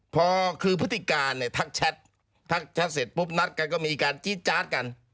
พอคือพฤติการเนี่ยทักแชททักแชทเสร็จปุ๊บนัดกันก็มีการจี๊ดจาดกัน